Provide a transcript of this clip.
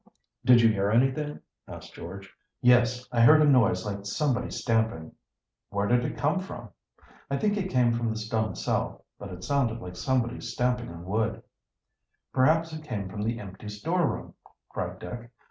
"Did you hear anything?" asked George. "Yes; I heard a noise like somebody stamping." "Where did it come from?" "I think it came from the stone cell. But it sounded like somebody stamping on wood." "Perhaps it came from the empty storeroom," cried Dick.